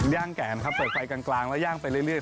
ย่างแก่นครับเปิดไฟกลางแล้วย่างไปเรื่อย